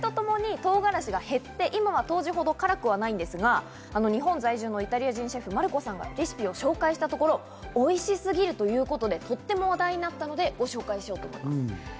今は当時ほど辛くないんですが日本在住イタリア人シェフ、マルコさんがレシピを紹介したところ、おいしすぎるということで、とても話題になったのでご紹介しようと思います。